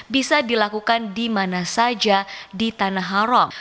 bisa dilakukan di mana saja di tanah haram